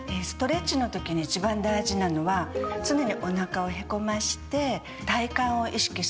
ストレッチのときに一番大事なのは常におなかをへこまして。